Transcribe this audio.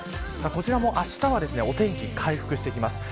あしたはお天気回復してきます。